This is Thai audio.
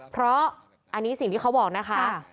เพราะอันนี้สิ่งที่เขาบอกนะคะ